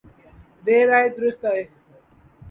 دیر آید درست آید۔